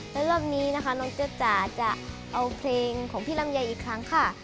และรอบนี้นะคะน้องจ๊ะจ๋าจะเอาเพลงของพี่ลำไยอีกครั้งค่ะ